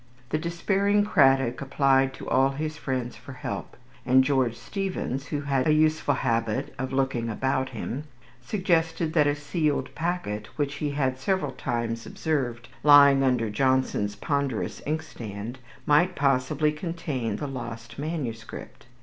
The despairing Cradock applied to all his friends for help; and George Steevens, who had a useful habit of looking about him, suggested that a sealed packet, which he had several times observed lying under Johnson's ponderous inkstand, might possibly contain the lost manuscript.